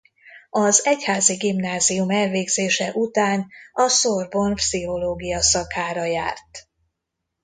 Az egyházi gimnázium elvégzése után a Sorbonne pszichológia szakára járt.